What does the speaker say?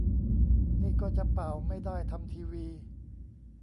นี่ก็จะ ป่าว ไม่ได้ทำทีวี